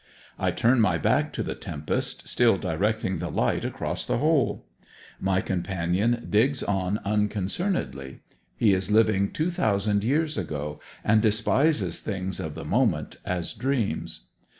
I turn my back to the tempest, still directing the light across the hole. My companion digs on unconcernedly; he is living two thousand years ago, and despises things of the moment as dreams.